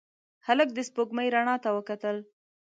هلک د سپوږمۍ رڼا ته وکتل.